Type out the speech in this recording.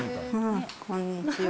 こんにちは。